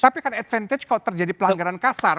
tapi akan advantage kalau terjadi pelanggaran kasar